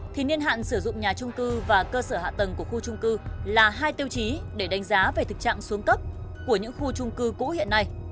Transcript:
thì niên hạn sử dụng nhà trung cư và cơ sở hạ tầng của khu trung cư là hai tiêu chí để đánh giá về thực trạng xuống cấp của những khu trung cư cũ hiện nay